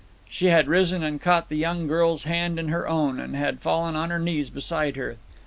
She had risen and caught the young girl's hand in her own, and had fallen on her knees beside her.